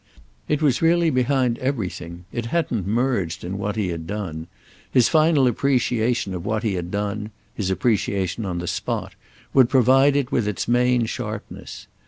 It was really behind everything; it hadn't merged in what he had done; his final appreciation of what he had done—his appreciation on the spot—would provide it with its main sharpness.